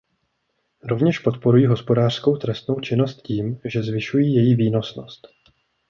Rovněž podporují hospodářskou trestnou činnost tím, že zvyšují její výnosnost.